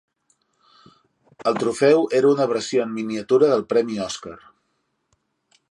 El trofeu era una versió en miniatura del premi Oscar.